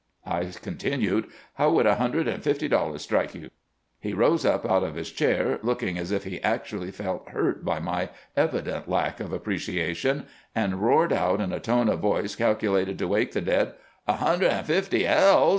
I continued: "How would a hundred and fifty dollars strike you ?" He rose up out of his chair, looking as if he actually felt hurt by my evident lack of appreciation, and roared out in a tone of voice calculated 356 CAMPAIGNING WITH GRANT to wake the dead :" A hundred and fifty hells